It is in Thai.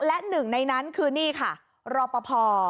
และหนึ่งในนั้นคือนี่ค่ะรอปภ